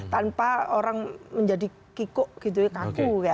tanpa orang menjadi kikuk gitu kaku